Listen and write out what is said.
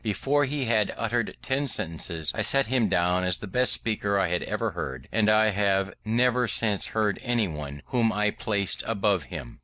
Before he had uttered ten sentences, I set him down as the best speaker I had ever heard, and I have never since heard anyone whom I placed above him.